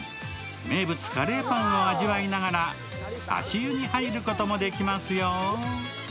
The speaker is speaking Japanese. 名物・カレーパンを味わいながら足湯に入ることもできますよ。